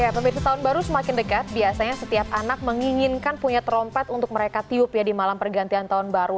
pemirsa tahun baru semakin dekat biasanya setiap anak menginginkan punya trompet untuk mereka tiup ya di malam pergantian tahun baru